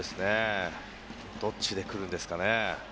どっちで来るんですかね。